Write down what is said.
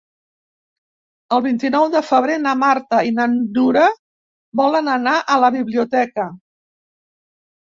El vint-i-nou de febrer na Marta i na Nura volen anar a la biblioteca.